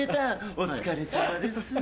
お疲れさまです。